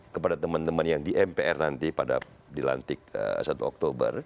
kepada teman teman yang di mpr nanti pada dilantik satu oktober